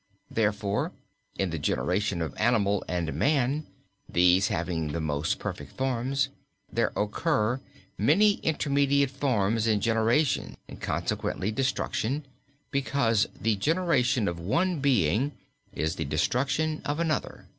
Therefore, in the generation of animal and man these having the most perfect forms there occur many intermediate forms in generations, and consequently destruction, because the generation of one being is the destruction of another."